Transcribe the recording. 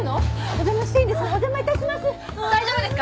お邪魔していいんですね？